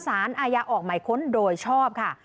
สารอาญาออกหมายค้นโดยชอบค่ะ